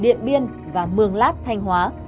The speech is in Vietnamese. điện biên và mường lát thanh hóa